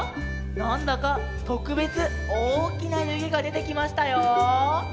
なんだかとくべつおおきなゆげがでてきましたよ。